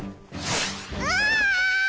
ああ！